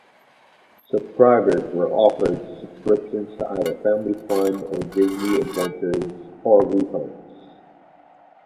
Subscribers were offered subscriptions to either "FamilyFun" or "Disney Adventures", or refunds.